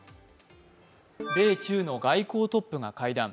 米中の外交トップが会談。